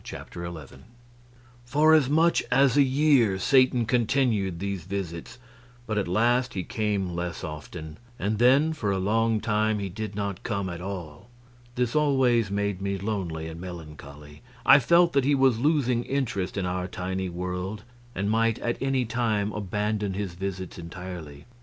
Chapter 11 For as much as a year Satan continued these visits, but at last he came less often, and then for a long time he did not come at all. This always made me lonely and melancholy. I felt that he was losing interest in our tiny world and might at any time abandon his visits entirely.